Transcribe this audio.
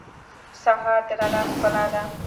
سهار د رڼا ښکلا ده.